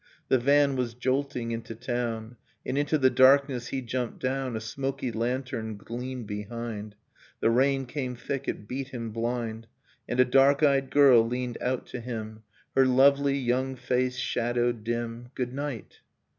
The van was jolting into town. And into the darkness he jumped down. A smoky lantern gleamed behind. The rain came thick, it beat him blind. And a dark eyed girl leaned out to him, Her lovely young face shadowed dim. 'Good night